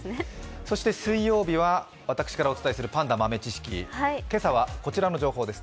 水曜日は私からお伝えするパンダ豆知識、今朝はこちらの情報です。